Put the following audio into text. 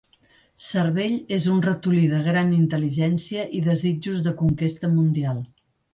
Cervell és un ratolí de gran intel·ligència i desitjos de conquesta mundial.